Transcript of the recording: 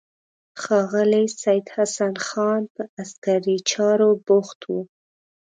ښاغلی سید حسن خان په عسکري چارو بوخت و.